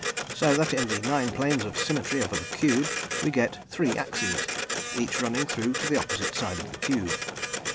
So that in the nine planes of symmetry of the cube we get three axes, each running through to the opposite side of the cube.